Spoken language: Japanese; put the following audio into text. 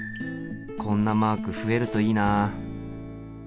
こんなマーク増えるといいな。